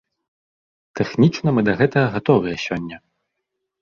Тэхнічна мы да гэтага гатовыя сёння.